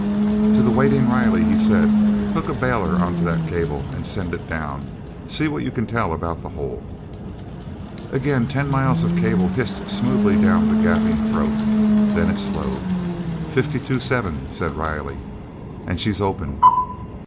To the waiting Riley he said: "Hook a bailer onto that cable and send it down. See what you can tell about the hole." Again ten miles of cable hissed smoothly down the gaping throat. Then it slowed. "Fifty two seven," said Riley, "and she's open.